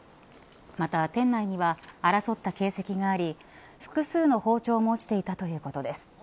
また、店内には争った形跡があり複数の包丁も落ちていたということです。